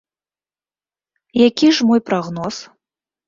Які ж мой прагноз?